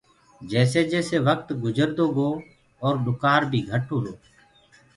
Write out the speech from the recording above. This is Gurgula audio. جيسي جيسي وڪت گُجردو گو اور ڏُڪآر بيٚ گهٽ هوُرو۔